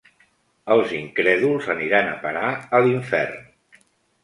Els incrèduls aniran a parar a l'infern.